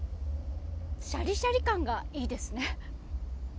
シャリシャリ感がいいですね。